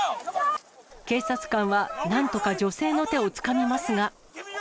警察官はなんとか女性の手をつかみますが。